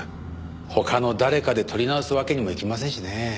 他の誰かで撮り直すわけにもいきませんしね。